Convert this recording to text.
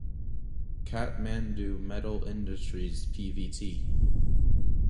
Kathmandu Metal Industries Pvt.